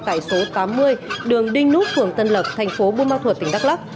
tại số tám mươi đường đinh nút phường tân lập thành phố bumathuot tỉnh đắk lắk